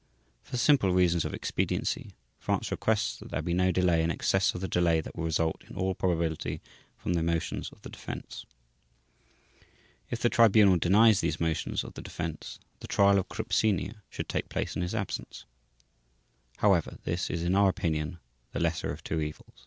For simple reasons of expediency, France requests that there be no delay in excess of the delay that will result in all probability from the motions of the Defense. If the Tribunal denies these motions of the Defense, the Trial of Krupp Sr. should take place in his absence. However, this is in our opinion the lesser of two evils.